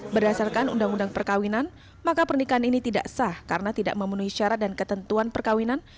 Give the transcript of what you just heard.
berdasarkan undang undang perkawinan maka pernikahan ini tidak sah karena tidak memenuhi syarat dan ketentuan perkawinan